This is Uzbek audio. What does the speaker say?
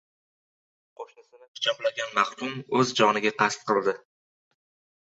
Qo‘shnisini pichoqlagan mahkum, o‘z joniga qasd qildi